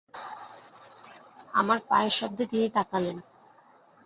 আমার পায়ের শব্দে তিনি তাকালেন।